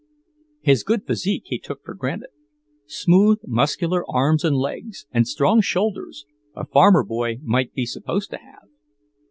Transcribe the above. His good physique he took for granted; smooth, muscular arms and legs, and strong shoulders, a farmer boy might be supposed to have.